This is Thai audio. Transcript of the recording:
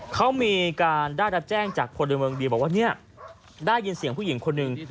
เขามีการได้รับแจ้งจากพลเมืองดีบอกว่าเนี่ยได้ยินเสียงผู้หญิงคนหนึ่ง